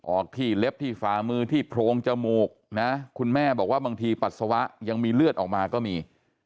ออกที่เล็บที่ฝ่ามือที่โพรงจมูกนะคุณแม่บอกว่าบางทีปัสสาวะยังมีเลือดออกมาก็มี